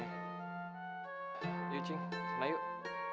yuk cing sana yuk